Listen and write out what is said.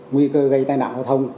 nguy cơ gây tai nạn giao thông